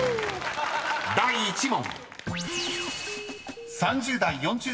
［第１問］